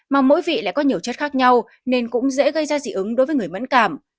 mà mỗi vị lại có nhiều chất khác nhau nên cũng dễ gây ra dị ứng đối với người mẫn cảm